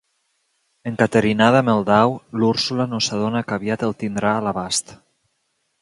Encaterinada amb el dau, l'Úrsula no s'adona que aviat el tindrà a l'abast.